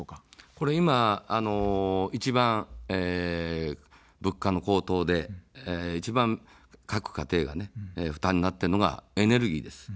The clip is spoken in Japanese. ここは一番、物価の高騰で一番各家庭が負担になっているのがエネルギーです。